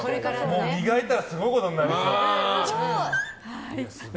磨いたらすごいことになりそう。